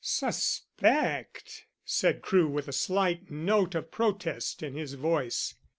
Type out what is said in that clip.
"Suspect?" said Crewe with a slight note of protest in his voice.